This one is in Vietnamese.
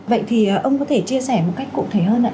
vậy thì ông có thể chia sẻ một cách cụ thể hơn ạ